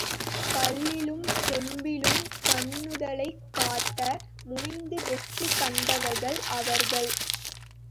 கல்லிலும் செம்பிலும் கண்ணுதலைக் காட்ட முனைந்து வெற்றி கண்டவர்கள் அவர்கள்.